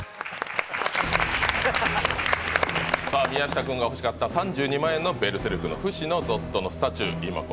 宮下君が欲しかった３２万円の「ベルセルク」の不死のゾッドのスタチュー。